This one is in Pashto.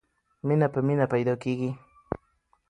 مینه په مینه پیدا کېږي.